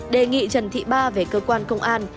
đề nghị trần thị ba về cơ quan công an